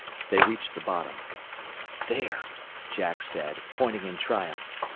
They reached the bottom. "There!" Jack said, pointing in triumph.